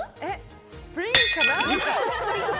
スプリングかな？